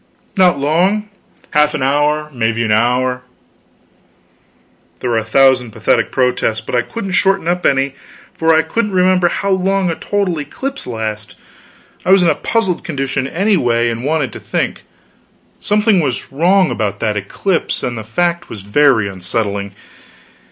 "Not long. Half an hour maybe an hour." There were a thousand pathetic protests, but I couldn't shorten up any, for I couldn't remember how long a total eclipse lasts. I was in a puzzled condition, anyway, and wanted to think. Something was wrong about that eclipse, and the fact was very unsettling.